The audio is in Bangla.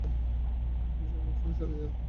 তিনি তার গবেষণা চালিয়ে যান ।